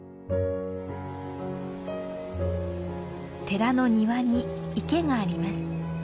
寺の庭に池があります。